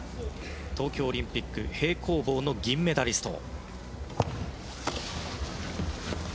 東京オリンピック平行棒の銀メダリスト。